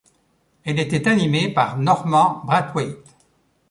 Elle était animée par Normand Brathwaite.